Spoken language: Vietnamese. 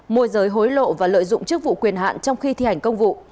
môi giới hối lộ và lợi dụng chức vụ quyền hạn trong khi thi hành công vụ